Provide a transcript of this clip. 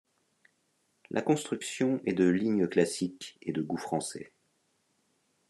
La construction est de lignes classiques et de goût français.